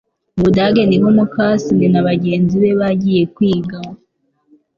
mu Budage niho mukasine na bagenzi be bagiye kwiga